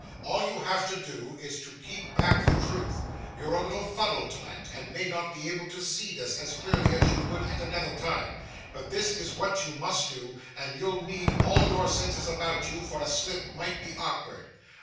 All you have to do is, to keep back the truth. You're a little fuddled tonight, and may not be able to see this as clearly as you would at another time; but this is what you must do, and you'll need all your senses about you; for a slip might be awkward.